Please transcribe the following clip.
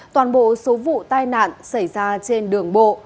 toàn bộ số vụ tai nạn xảy ra trên đường bộ